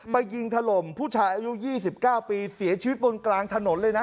ไปยิงถล่มผู้ชายอายุยี่สิบเก้าปีเสียชีวิตบนกลางถนนเลยนะ